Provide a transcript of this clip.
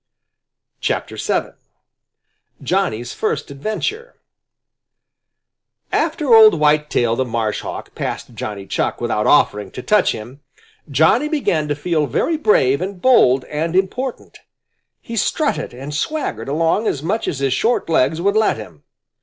VII. JOHNNY'S FIRST ADVENTURE After old Whitetail the Marshhawk passed Johnny Chuck without offering to touch him, Johnny began to feel very brave and bold and important. He strutted and swaggered along as much as his short legs would let him.